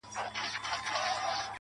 چي په سرو وینو کي اشنا وویني.